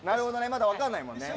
まだわかんないもんね。